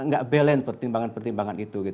nggak balance pertimbangan pertimbangan itu